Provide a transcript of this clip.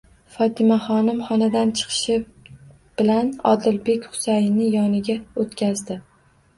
Fotimaxonim xonadan chiqshi bilan Odilbek Xusayinni yoniga o'tqazdi?